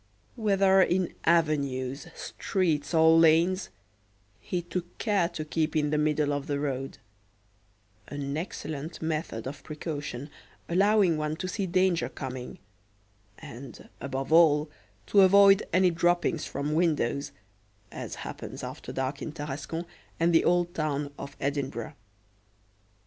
Whether in avenues, streets, or lanes, he took care to keep in the middle of the road an excellent method of precaution, allowing one to see danger coming, and, above all, to avoid any droppings from windows, as happens after dark in Tarascon and the Old Town of Edinburgh.